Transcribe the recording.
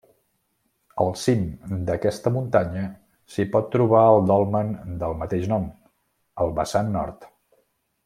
Al cim d'aquesta muntanya s'hi pot trobar el dolmen del mateix nom, al vessant nord.